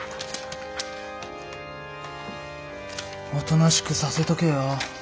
おとなしくさせとけよ？